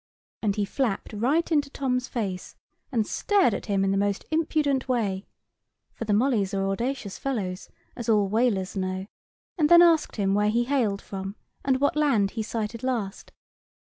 And he flapped right into Tom's face, and stared at him in the most impudent way (for the mollys are audacious fellows, as all whalers know), and then asked him where he hailed from, and what land he sighted last.